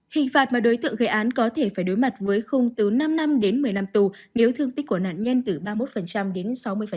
hình phạt mà đối tượng gây án có thể phải đối mặt với khung từ năm năm đến một mươi năm tù nếu thương tích của nạn nhân từ ba mươi một đến sáu mươi